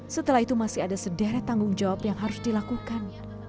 setelah itu masih ada sederet tanggung jawab yang harus dilakukan